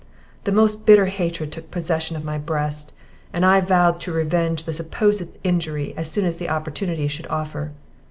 "The most bitter hatred took possession of my breast, and I vowed to revenge the supposed injury as soon as opportunity should offer.